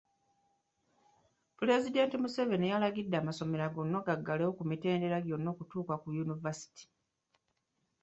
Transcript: Pulezidenti Museveni yalagidde amasomero gonna gaggalewo ku mitendera gyonna okutuuka ku yunivaasite.